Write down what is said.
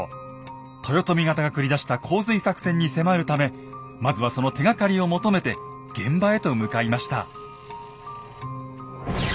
豊臣方が繰り出した洪水作戦に迫るためまずはその手がかりを求めて現場へと向かいました。